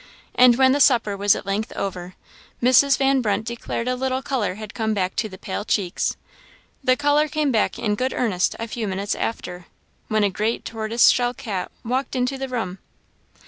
And when the supper was at length over, Mrs. Van Brunt declared a little colour had come back to the pale cheeks. The colour came back in good earnest a few minutes after, when a great tortoise shell cat walked into the room.